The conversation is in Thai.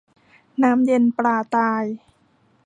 น้ำเย็นปลาตาย